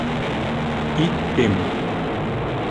Иттем.